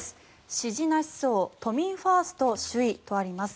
支持なし層都民ファースト首位とあります。